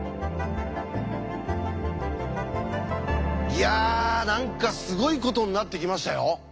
いや何かすごいことになってきましたよ！